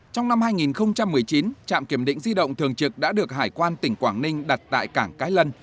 trong năm hai nghìn một mươi chín trạm kiểm định di động thường trực đã được hải quan tỉnh quảng ninh đặt tại cảng cái lân